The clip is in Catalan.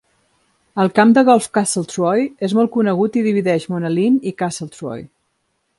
El camp de golf Castletroy és molt conegut i divideix Monaleen i Castletroy.